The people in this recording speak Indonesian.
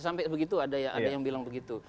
sampai begitu ada yang bilang begitu